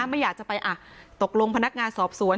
ไม่อยากจะไปตกลงพนักงานสอบสวน